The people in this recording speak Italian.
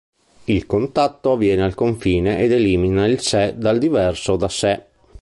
Il contatto avviene al confine e delimita il sé dal diverso da sé.